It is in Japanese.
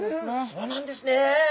そうなんですね。